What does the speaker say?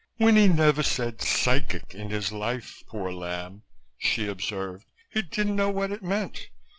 "Winnie never said 'psychic' in his life, poor lamb," she observed. "He didn't know what it meant.